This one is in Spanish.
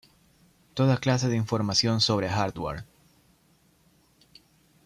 Toda clase de información sobre hardware.